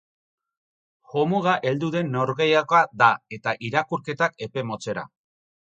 Jomuga heldu den norgehiagoka da eta irakurketak epe motzera.